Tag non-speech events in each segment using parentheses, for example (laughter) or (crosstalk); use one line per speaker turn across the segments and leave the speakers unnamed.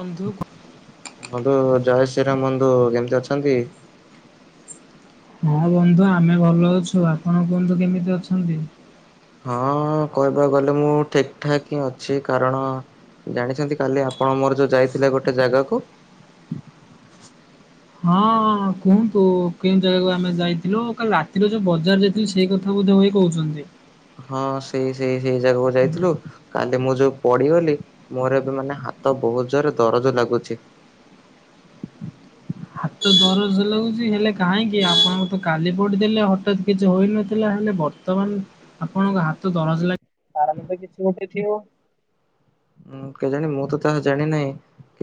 ବନ୍ଧୁ
ମୋ ତ ଜୟ ଶ୍ରୀରାମ୍ ବନ୍ଧୁ କେମିତି ଅଛନ୍ତି?
ହଁ ବନ୍ଧୁ ଆମେ ଭଲ ଅଛୁ। ଆପଣ କୁହନ୍ତୁ କେମିତି ଅଛନ୍ତି?
ହଁ କହିବାକୁ ଗଲେ ମୁଁ ଠିକ ଠାକ୍ ହିଁ ଅଛି କାରଣ। ଜାଣିଛନ୍ତି କାଲି ଆପଣ ମୋର ଯୋଉ ଯାଇଥିଲେ ଗୋଟେ ଜାଗାକୁ।
ହଁ କୁହନ୍ତୁ କେଉଁ ଜାଗାକୁ ଆମେ ଯାଇଥିଲୁ କାଲି ରାତିରେ ଯୋଉ ବଜାର ଯାଇଥିଲି ସେଇ କଥା ବୋଧ ହୁଏ କହୁଛନ୍ତି।
ହଁ ସେଇ ସେଇ ସେଇ ଜାଗାକୁ ଯାଇଥିଲୁ। କାଲି ମୁଁ ଯୋଉ ପଡିଗଲି ମୋର ଏବେ ମାନେ ହାତ ବହୁତ୍ ଜୋର ଦରଜ ଲାଗୁଛି।
ହାତ ଦରଜ ଲାଗୁଛି ହେଲେ କାହିଁକି? ଆପଣଙ୍କୁ ତ କାଲି ପଡିଥିଲେ ହଠାତ୍ କିଛି ହୋଇନଥିଲା ହେଲେ ବର୍ତ୍ତମାନ ଆପଣଙ୍କ ହାତ ଦରଜ ଲାଗ କାରଣ ତ କିଛି ଗୋଟେ ଥିବ।
ଉଁ କେଜାଣି ମୁଁ ତ ତାହା ଜାଣିିନାହିଁ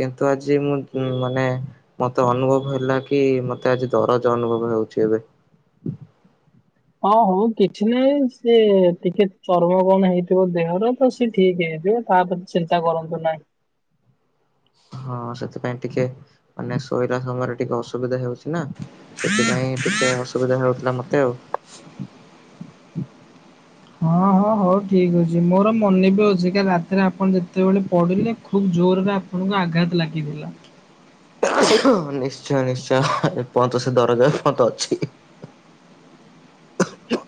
କିନ୍ତୁ ଆଜି ମୁଁ ଉଁ ମାନେ ମତେ ଅନୁଭବ ହେଲା କି ମତେ ଆଜି ଦରଜ ଅନୁଭବ ହେଉଛି ଏବେ।
ହଁ ହଉ କିଛି ନାହିଁ ସେ ଟିକେ ଚର୍ମ କଣ ହେଇଥିବ ଦେହର ତ ସେ ଠିକ୍ ହେଇ ଏବେ ତା ପ୍ରତି ଚିନ୍ତା କରନ୍ତୁ ନାହିଁ।
ହଁ ସେଥିପାଇଁ ଟିକେ ମାନେ ଶୋଇଲା ସମୟରେ ଟିକେ ଅସୁବିଧା ହେଉଛି ନା ସେଥିପାଇଁ ଟିକେ ଅସୁବିଧା ହେଉଥିଲା ମତେ ଆଉ।
ହଁ ହଁ ହଉ ଠିକ୍ ଅଛି ମୋର ମନେ ବି ଅଛି କାଲି ରାତିରେ ଆପଣ ଯେତେବେଳେ ପଡିଲେ ଖୁବ ଜୋରରେ ଆପଣଙ୍କୁ ଆଘାତ ଲାଗିଥିଲା।
ନିଶ୍ଚୟ ନିଶ୍ଚୟ ଏପନ୍ତ ସେ ଦରଜ ଏପନ୍ତ ଅଛି। (unintelligible)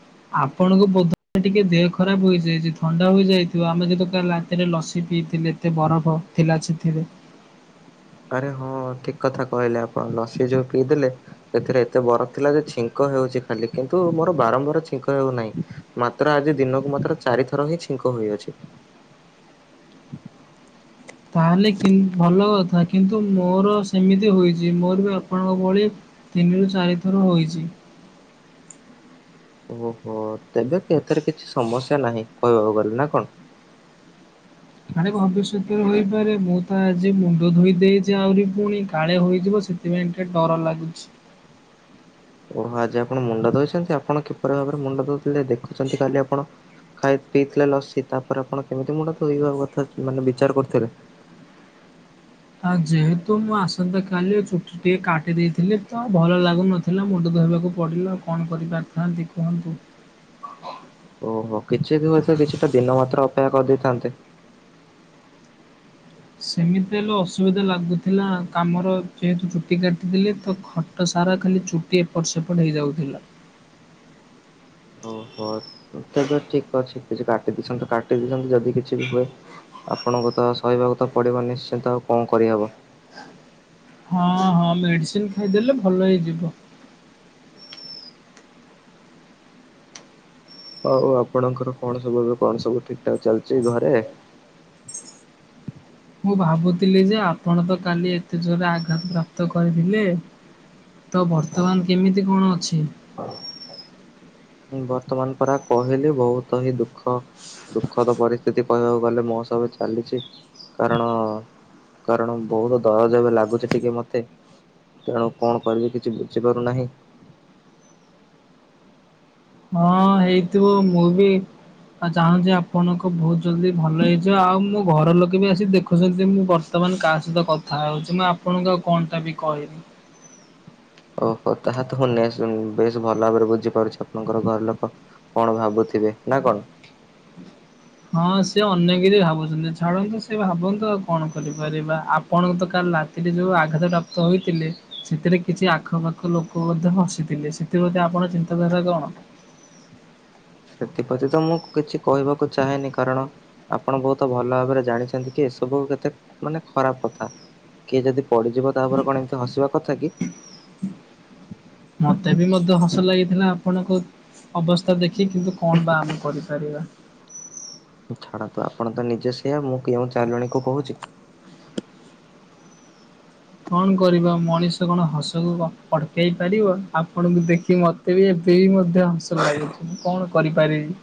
ଆପଣଙ୍କୁ ବୋଧ ଟିକେ ଦେହ ଖରାପ ହୋଇଯାଇଛି ଥଣ୍ଡା ହୋଇଯାଇଥିବ ଆମେ ଯେହେତୁ କାଲି ରାତିରେ ଲସି ପିଇଥି ଲେ ଏତେ ବରଫ ଥିଲା ସେଥିରେ।
ଆରେ ହଁ ଠିକ କଥା କହିଲେ ଆପଣ ଲସି ଯୋଉ ପିଇଦେଲେ ସେଥିରେ ଏତେ ବରଫ ଥିଲା ଯେ ଛିଙ୍କ ହେଉଛି ଖାଲି କିନ୍ତୁ ମୋର ବାରମ୍ବାର ଛିଙ୍କ ହେଉନାହିଁ ମାତ୍ର ଆଜି ଦିନକୁ ମାତ୍ର ଚାରି ଥର ହିଁ ଛିଙ୍କ କ ହୋଇଅଛି।
ତାହେଲେ କି ଭଲ କଥା କିନ୍ତୁ ମୋର ସେମିତି ହୋଇଛି ମୋର ବି ଆପଣଙ୍କ ଭଳି। ତିନିରୁ ଚାରି ଥର ହୋଇଛି।
ଓହୋ ତେବେ କି ଏଥିରେ କିଛି ସମସ୍ୟା ନାହିଁ କହିବାକୁ ଗଲେ ନା କଣ। (inaudible)
ପାରେ ମୁଁ ତ ଆଜି ମୁଣ୍ଡ ଧୋଇ ଦେଇଛି ଆହୁରି ପୁଣି କାଳେ ହୋଇଯିବ ସେଥିପାଇଁ ଟିକେ ଡର ଲାଗୁଛି।
(inaudible) ଓହୋ ଆଜି ଆପଣ ମୁଣ୍ଡ ଧୋଇଛନ୍ତି ଆପଣ କିପରି ଭାବରେ ମୁଣ୍ଡ ଧୋଉଥିଲେ ଦେଖୁଛନ୍ତି କାଲି ଆପଣ। ଖାଇ ପିଇଥିଲେ ଲସି ତାପରେ ଆପଣ କେମିତି ମୁଣ୍ଡ ଧୋଇବା କଥା ମାନେ ବିଚାର କରୁଥିଲେ। (inaudible)
ଆ ଯେହେତୁ ମୁଁ ଆସନ୍ତା କାଲି ଚୁଟି ଟିକେ କାଟି ଦେଇଥିଲି ତ ଭଲ ଲାଗୁନଥିଲା ମୁଣ୍ଡ ଧୋଇବାକୁ ପଡ଼ିଲା ଆଉ କଣ କରିପାରିଥାନ୍ତି କୁହନ୍ତୁ।
(inaudible) ଓହୋ କିଛି ତ ମାତ୍ର କିଛିଟା ଦିନ ମାତ୍ର ଅପେକ୍ଷା କରିଦେଇଥାନ୍ତେ।
ସେମିତି ହେଲେ ଅସୁବିଧା ଲାଗୁଥିଲା କାମର ଯେହେତୁ ଚୁଟି କାଟିଥିଲେ ତ ଖଟ ସ ସାରା ଖାଲି ଚୁଟି ଏପଟ ସେପଟ ହେଇଯାଉଥିଲା।
ଓହୋ ତେବେ ଠିକ ଅଛି। କିଛି କାଟିଦଛନ୍ତି କାଟିଦଛନ୍ତି ଯଦି କିଛି ବି ହୁଏ। ଆପଣଙ୍କୁ ତ ସହହିବାକୁ ତ ପଡିବ ନିଶ୍ଚିନ୍ତ ଆଉ କଣ କରିହେବ?
ହଁ ହଁ ମେଡ଼ିସିନ ଖାଇଦେଲେ ଭଲ ହେଇଯିବ।
ହଉ ଆପଣଙ୍କର କଣ ସବୁ ଏବେ କଣ ସବୁ ଠିକ ଠାକ ଚାଲିଛି ଘରେ? (inaudible)
ମୁଁ ଭାବୁଥିଲି ଯେ ଆପଣ ତ କାଲି ଏତେ ଜୋରେ ଆଘାତ ପ୍ରାପ୍ତ କରିଥିଲେ। ତ ବର୍ତ୍ତମାନ କେମିତି କଣ ଅଛି?
ବର୍ତ୍ତମାନ ପୁରା କହିଲେ ବହୁତ ହିଁ ଦୁଃଖ। ଦୁଃଖ ତ ପରିସ୍ଥିତି କହିବାକୁ ଗଲେ ମୋ ସବୁ ଚାଲିଛି କାରଣ କାରଣ ବହୁତ ଦରଜ ବି ଲାଗୁଛି ଟିକେ ମତେ। ତେଣୁ କଣ କରିବି କିଛି ବୁଝିପାରୁନାହିଁ?
ହଁ ହେଇଥିବୁ ମୁଁ ବି ଆଉ ଚାହୁଁଛି ଆପଣଙ୍କ ବହୁତ ଜଲଦି ଭଲ ହେଇଯିବ ଆଉ ମୋ ଘର ଲୋକେ ବି ଆସି ଦେଖୁଛନ୍ତି ମୁଁ ବର୍ତ୍ତମାନ କାହା ସହିତ କଥା ହଉଛି ମୁଁ ଆପଣଙ୍କୁ ଆଉ କଣଟା ବି କହିବି?
ହ ଓହୋ ତାହା ତ ହ ବେଶ ଭଲ ଭାବରେ ବୁଝିପାରୁଛି ଆପଣଙ୍କର ଘର ଲୋକ କଣ ଭାବୁ ଥିବେ ନା କଣ?
ହଁ ସି ଅନନ୍ୟକରି ଭାବୁଛନ୍ତି ଛାଡନ୍ତୁ ସେ ଭାବନ୍ତୁ ଆଉ କଣ କରିପାରିବା ଆପଣଙ୍କ ତ କ ରାତିରେ ଯୋଉ ଆଘାତ ପ୍ରାପ୍ତ ହୋଇଥିଲେ ସେଥିରେ କିଛି ଆଖପାଖ ଲୋକ ମଧ୍ୟ ହସିଥିଲେ ସେଥି ଣ ଚିନ୍ତା କଣ?
ହଁ। ସେଥିପ୍ରତି ତ ମୁଁ କିଛି କହିବାକୁ ଚାହେଁନି କାରଣ ଆପଣ ବହୁତ ଭଲ ଭାବରେ ଜାଣିଛନ୍ତି କି? ସବୁ କେତେ ମାନେ ଖରାପ କଥା? କିଏ ଯଦି ପଡିଯିବ ତାପରେ କଣ ଏମତି ହସିବା କଥା କି?
ମତେ ବି ମଧ୍ୟେ ହସ ଲାଗିଥିଲା ଆପଣ କ ଅବସ୍ଥା ଦେଖି କିନ୍ତୁ କଣ ବା ଆମେ କରିପାରିବା?
ଛାଡନ୍ତୁ ଆପଣ ତ ନିଜେ ସେୟ ମୁଁ କେଉଁ ଚାଲୁଣୀକୁ କହୁଛି?
କଣ କରିବା ମଣିଷ କଣ ହସକୁ ଅଟକେଇ ପାରିବ ଆପଣଙ୍କୁ ଦେଖି ମତେ ବି ଦେଇ ମଧ୍ୟ ହାସଲ ଲାଗୁଛି ମୁଁ କଣ କରିପାରିବି?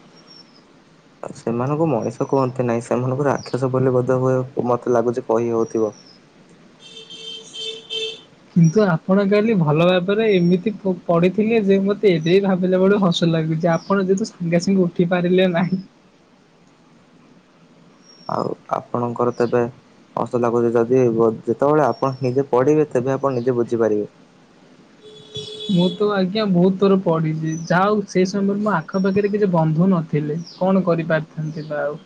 ଉ ସେମାନଙ୍କୁ ମଣିଷ କୁହନ୍ତି ନାହିଁ ସେମାନଙ୍କୁ ରାକ୍ଷସ ବୋଲି ବୋଧେ ହୁଏ ମତେ ଲାଗୁଛି କହି ହଉଥିବ। (inaudible)
କିନ୍ତୁ ଆପଣ କାଲି ଭଲ ଭାବରେ ଏମିତି ପଢ଼ିଥିଲେ ଯେ ମୋତେ ଏବେ ଭାବିଲା ବେଳ ହସ ଲାଗୁଛି। ଯେ ଆପଣ ଯେହେତୁ ସାଙ୍ଗେ ସାଙ୍ଗେ ଉଠି ପାରିଲେ ନାହିଁ।
ଆଉ ଆପଣଙ୍କର ତେବେ ହସ ଲାଗୁଛି ଯଦି ଯେତେବେଳେ ଆପଣ ନିଜେ ପଢିବେ ତେବେ ଆପଣ ନିଜେ ବୁଝିପାରିବେ।
ମୁଁ ତ ଆଜ୍ଞା ବହୁତ ଉତ୍ର ପଢିଛି ଯାହା ହଉ ସେ ସମୟରେ ମୋ ଆଖପାଖରେ କିଛି ବନ୍ଧୁ ନଥିଲେ କଣ କରିପାରିଥାନ୍ତି ବା ଆଉ।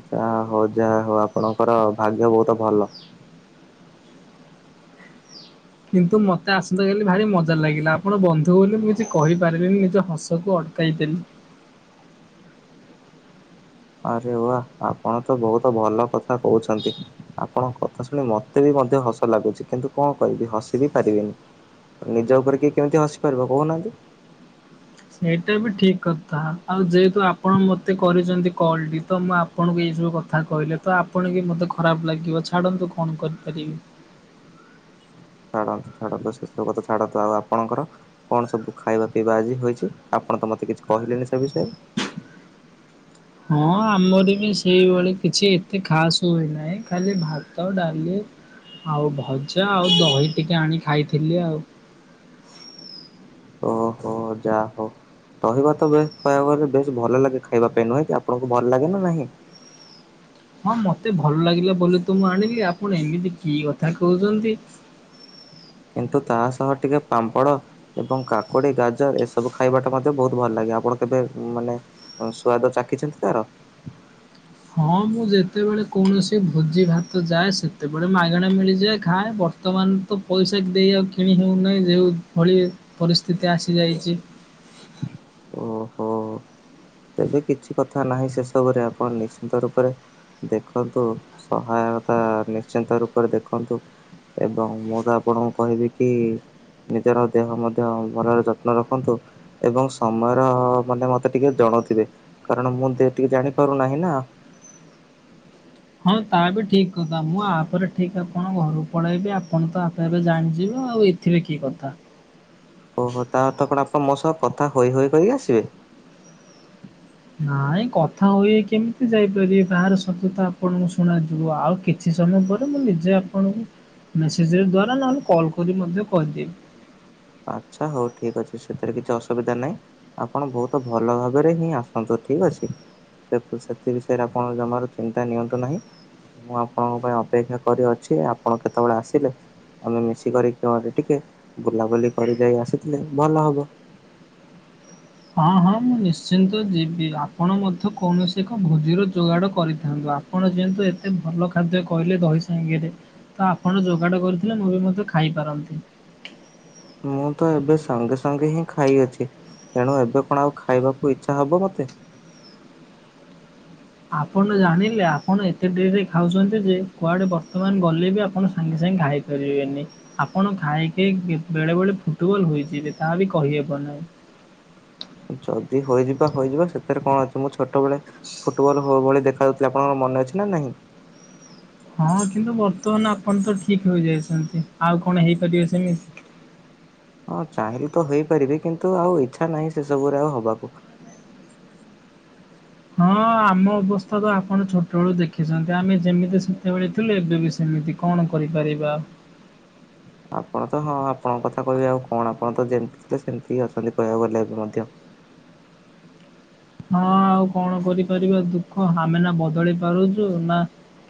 ଯାହା ହଉ ଯାହା ହଉ ଆପଣଙ୍କର ଭାଗ୍ୟ ବହୁତ ଭଲ।
କିନ୍ତୁ ମତେ ଆସନ୍ତା କାଲି ଭାରି ମଜା ଲାଗିଲା ଆପଣ ବନ୍ଧୁ ବୋଲି ମୁଁ କିଛି କହିପାରିବିନି ନିଜ ହସକୁ ଅ କାଇଦେଲି।
(unintelligible) ଆରେ ଆପଣ ତ ବହୁତ ଭଲ କଥା କହୁଛନ୍ତି ଆପଣଙ୍କ କଥା ଶୁଣି ମତେ ବି ମଧ୍ୟ ହସ ଲାଗୁଛି କିନ୍ତୁ କଣ କରିବି ହସ ବି ପାରିବିନି। ନିଜ ଉପରେ କି କେମିତି ହସି ପାରିବ କହୁନାହାନ୍ତି।
ସେଇଟା ବି ଠିକ କଥା ଆଉ ଯେହେତୁ ଆପଣ ମତେ କରିଛନ୍ତି କଲ ଟି ତ ମୁଁ ଆପଣଙ୍କୁ ଏଇ ଯେଉ କଥା କହିଲେ ତ ଆପଣିକ ମୋତେ ଖରାପ ଲାଗିବ ଛାଡ଼ନ୍ତୁ କଣ କରିପାରିବି?
(unintelligible) ଛାଡନ୍ତୁ ଛାଡ଼ନ୍ତୁ ସେ ତ ଛାଡନ୍ତୁ ଆଉ ଆପଣଙ୍କର କଣ ସବୁ ଖାଇବା ପିଇବା ଆଜି ହେଇଛି। ଆପଣ ତ ମତେ କିଛି କହିଲେନି ସେ ବିଷୟରେ
ହଁ ଆମର ବି ସେଇଭଳି କିଛି ଏତେ ଖାସ ହୁଏ ନାହିଁ ଖାଲି ଭାତ, ଡାଲି ଆଉ ଭଜା ଆଉ ଦହି ଟିକେ ଆଣି ଖାଇଥିଲି ଆଉ।
ଓହୋ ଯା ହୋଉ। ଦହିବା ତ ବେଶ କହିବାକୁ ଗଲେ ବେଶ ଭଲ ଲାଗେ ଖାଇବା ପାଇଁ। ନୁହେଁ କି? ଆପଣଙ୍କୁ ଭଲ ଲାଗେ ନା ନାହିଁ? ହ
ହଁ ମତେ ଭଲ ଲାଗିଲା ବୋଲି ତ ମୁଁ ଆଣିବି ଆପଣ ଏମିତି କି କଥା କୋହୁଛନ୍ତି
କିନ୍ତୁ ତା ସହ ଟିକେ ପାମ୍ପଡ଼ ଏବଂ କାକୁଡି, ଗାଜର ଏସବୁ ଖାଇବାଟା ମଧ୍ୟ ବହୁତ ଭଲ ଲାଗେ। ଆପଣ କେବେ ମାନେ ସୁଆଦ ଚାଖିଛନ୍ତି ତାର?
ହଁ ମୁଁ ଯେତେବେଳେ କୌଣସି ଭୋଜି ଭାତ ଯାଏ ସେତେବେଳେ ମାଗଣା ମିଳିଯାଏ ଖାଏ। ବ ବର୍ତ୍ତମାନ ତ ପଇସା ଦେଇ ଆଉ କିଣି ହୋଉନାହିଁ ଯେଉଁ ଭଳି ପରିସ୍ଥିତି ଆସିଯାଇଚି।
ଓହୋ। ତେବେ କିଛି କଥା ନାହିଁ ସେସବୁରେ ଆପଣ ନିଶ୍ଚିନ୍ତ ରୂପରେ ଦେଖନ୍ତୁ ସହାୟତା ନିଶ୍ଚିନ୍ତ ରୂପରେ ଦେଖନ୍ତୁ ଏବଂ ମୁଁ ତ ଆପଣଙ୍କୁ କହିବି କି ନିଜର ଦେହ ମଧ୍ୟ ଭଲରେ ଯତ୍ନ ରଖନ୍ତୁ। ଏବଂ ସମୟର ମାନେ ମତେ ଟିକେ ଜଣ ଥିବେ କାରଣ ମୁଁ ତ ଏତିକି ଜାଣିପାରୁନାହିଁ ନା।
ହଁ ତା ବି ଠିକ କଥା ମୁଁ ଆପରେ ଠିକ ଆପଣ ଘରକୁ ପଳେଇବି ଆପଣ ତ ଆପେ ଆପେ ଜାଣିଯିବେ ଆ ଆଉ ଏଥିରେ କି କଥା
ଓହୋ ତା ଅର୍ଥ କଣ ଆପଣ ମୋ ସହ କଥା ହୋଇ ହୋଇ କରିକି ଆସିବେ
ନାଇଁ କଥା ହୋଇ ହୋଇ କେମିତି ଯାଇପାରିବେ ବାହାର ଶବ୍ଦ ତ ଆପଣଙ୍କୁ ଶୁଣା ଯିବ ଆଉ କିଛି ସମୟ ମୁଁ କହିଲି ମୁଁ ନିଜେ ଆପନଙ୍କୁ ମେସେଜରେ ଦ୍ୱାରା ନହେଲେ କଲ କରି ମଧ୍ୟ କହିଦେବି।
ଆଛା ହୋଉ ଠିକ ଅଛି। ସେଥିରେ କିଛି ଅସୁବିଧା ନାହିଁ ଆପଣ ବହୁତ ଭଲ ଭାବରେ ହିଁ ଆସନ୍ତୁ। ଠିକ ଅଛି। ସେ ସେଥି ବିଷୟରେ ଆପଣ ଜମାରୁ ଚିନ୍ତା ନିଅନ୍ତୁ ନାହିଁ। ମୁଁ ଆପଣଙ୍କ ପାଇଁ ଅପେକ୍ଷା କରି ଅଛି। ଆପଣ କେତେବେଳେ ଆସିଲେ ଆମେ ମିଶି କରି କୁଆଡ଼େ ଟିକେ ବୁଲାବୁଲି କରିକି ଯାଇ ଆସୁଥିଲେ ଭଲ ହବ।
ହଁ ହଁ ମୁଁ ନିଶ୍ଚିନ୍ତ ଯିବି ଆପଣ ମଧ୍ୟ କୌଣସି ଏକ ଭୋଜିର ଯୋଗାଡ କରିଥାନ୍ତୁ ଆପଣ ଯେହେତୁ ଏତେ ଭଲ ଖାଦ୍ୟ କହିଲେ ଦହି ସାଙ୍ଗରେ ତ ଆପଣ ଯୋଗାଡ଼ କରିଥିଲେ ମୁଁ ବି ମଧ୍ୟ ଖା ଖାଇପାରନ୍ତି।
ମୁଁ ତ ଏବେ ସଙ୍ଗେ ସଙ୍ଗେ ହିଁ ଖାଇଅଛି। ତେଣୁ ଏବେ କଣ ଆଉ ଖାଇବାକୁ ଇଚ୍ଛା ହବ ମତେ
ଆପଣ ଜାଣିଲେ ଆପଣ ଏତେ ଡେରିରେ ଖାଉଛନ୍ତି ଯେ କୁଆଡେ ବର୍ତ୍ତମାନ ଗଲେ ବି ଆପଣ ସାଙ୍ଗେ ସାଙ୍ଗେ ଖାଇପାରିବେନି ଆପଣ ଖାଇକି କି ବେଳେ ବେଳେ ଫୁଟବଲ୍ ହୋଇଯିବେ ତାହା ବି କହିହେବନି। ହା।
ଯଦି ହୋଇଯିବା ହୋଇଯିବା ସେଥିରେ କଣ ଅଛି। ମୁଁ ଛୋଟ ବେଳେ ଫୁଟବଲ ହୋ ଭଳି ଦେଖା ଯାଉଥିଲେ ଆପଣଙ୍କର ମନେ ଅଛି ନା ନାହିଁ।
ହଁ କିନ୍ତୁ ବର୍ତ୍ତମାନ ଆପଣ ତ ଠିକ ହୋଇଯାଇଛନ୍ତି ଆଉ କଣ ହୋଇପାରିବେ ସେମିତି।
ହଁ ଚାହିଁଲେ ତ ହେଇପାରିବି କିନ୍ତୁ ଆଉ ଇଛା ନାହିଁ ସେ ସବୁରେ ଆଉ ହବାକୁ।
ହଁ ଆମ ଅବସ୍ଥା ତ ଆପଣ ଛୋଟବେଳୁ ଦେଖିଛନ୍ତି ଆମେ ଯେମିତି ସେତେବେଳେ ଥିଲୁ ଏବେ ବି ସେମିତି। ଏମିତି କଣ କରିପାରିବା।
(inaudible) ଆପଣ ତ ହଁ ଆପଣଙ୍କ କଥା କହିବେ ଆଉ କଣ ଆପଣ ତ ଯେମିତି ଥିଲେ ସେମିତି ହିଁ ଅଛନ୍ତି କହିବାକୁ ଗଲେ ଏବେ ମଧ୍ୟ। (inaudible)
ହଁ ଆଉ କଣ କରିପାରିବା ଦୁଃଖ ଆମେ ନା ବଦଳି ପାରୁଚୁ ନା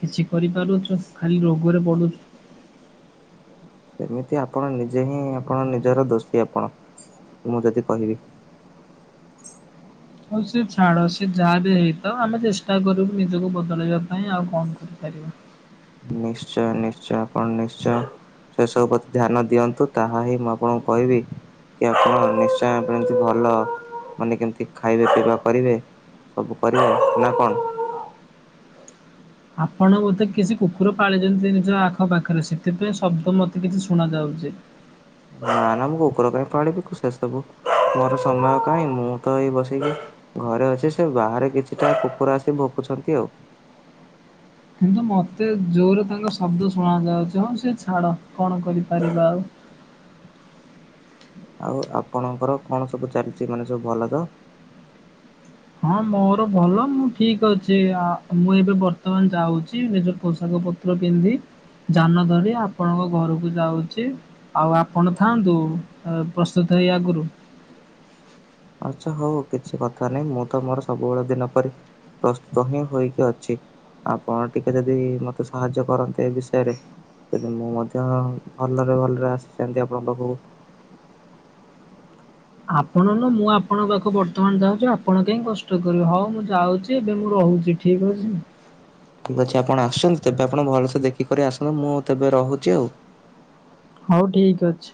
କିଛି କରିପାରୁଚୁ ଖାଲି ରୋଗରେ ପଡୁଚୁ।
(inaudible) ଏମିତି ଆପଣ ନିଜେ ହିଁ ଆପଣ ନିଜର ଦୋଷୀ ଆପଣ ମୁଁ ଯଦି କହିବି। (inaudible)
ହୋଉ ସିଏ ଛାଡ ସିଏ ଯାହା ବି ହୋଇଥାଉ ଆମେ ଚେଷ୍ଟା କରିବୁ ନିଜକୁ ବଦଳେଇବା ପାଇଁ ଆଉ କଣ କରିବୁ। ପାରିବୁ।
ନିଶ୍ଚୟ ନିଶ୍ଚୟ ଆପଣ ନିଶ୍ଚୟ। ସେ ସବୁ ପ୍ରତି ଧ୍ୟାନ ଦିଅନ୍ତୁ, ତାହା ହିଁ ମୁଁ ଆପଣଙ୍କୁ କହିବି କି ଆପଣ ନିଶ୍ଚୟ କେମିତି ଭଲ ମାନେ କେମତି ଖାଇବା ପିଇବା କରିବେ ସବୁ କରିବ ନା କଣ?
ଆପଣ ମତେ କିଛି କୁକୁର ପାଳିଛନ୍ତି ନିଜ ଆଖପାଖରେ ସେଥିପାଇଁ ଶବ୍ଦ ମତେ କିଛି ଶୁଣ ଯାଉ ଚି।
ନା ନା ମୁଁ କୁକୁର କାହିଁ ପାଳିବି ସେସବୁ ମୋର ସମୟ କାହିଁ ମୁଁ ତ ଏଇ ବସିକି ଘରେ ଅଛି। ସେ ବାହାରେ କିଛିଟା କୁକୁର ଆସି ଭୋକୁଛନ୍ତି ଆଉ।
କିନ୍ତୁ ମତେ ଜୋରେ ତାଙ୍କ ଶବ୍ଦ ଶୁଣା ଯାଉଚି, ହଉ ସେ ଛାଡ। କଣ କରିପାରିବା ଆଉ।
ଆଉ ଆପଣଙ୍କର କଣ ସବୁ ଚାଲିଛି, ମାନେ ସବୁ ଭଲ ତ?
ହଁ ମୋର ଭଲ ମୁଁ ଠିକ ଅଛି ଆ ମୁଁ ଏବେ ବର୍ତ୍ତମାନ ଯାଉଚି ନିଜ ପୋଷାକ ପତ୍ର ପିନ୍ଧି ଯାନ ଧରି ଆପଣଙ୍କ ଘରକୁ ଯାଉଚି, ଆଉ ଆପଣ ଥାଆନ୍ତୁ ପ୍ରସ୍ତୁତ ହେଇ ଆଗୁରୁ।
ଆଚ୍ଛା ହଉ କିଛି କଥା ନାହିଁ, ମୁଁ ତ ମୋର ସବୁବେଳ ଦିନ ପରି ପ୍ରସ୍ତୁତ ହିଁ ହୋଇକି ଅଛି। ଆପଣ ଟିକେ ଯଦି ମତେ ସାହାଯ୍ୟ କରନ୍ତେ ଏ ବିଷୟରେ। ତେଣୁ ମୁଁ ମଧ୍ୟ ଭଲରେ ଭଲରେ ଆସିଯାନ୍ତି ଆପଣଙ୍କ ପାଖକୁ। (inaudible)
ଆପଣ ନୁହଁ ମୁଁ ଆପଣଙ୍କ ପାଖକୁ ବର୍ତ୍ତମାନ ଯାଉଛି ଆପଣ କାହିଁ କଷ୍ଟ କରିବେ, ହଉ ମୁଁ ଯାଉଚି ଏବେ ମୁଁ ର ହୁଚି ଠିକ ଅଛି।
ଠିକ ଅଛି ଆପଣ ଆସୁଛନ୍ତି ତେବେ ଆପଣ ଭଲସେ ଦେଖିକରି ଆସନ୍ତୁ, ମୁଁ ତେବେ ରହୁଚି ଆଉ।
ହଉ ଠିକ୍ ଅଛି।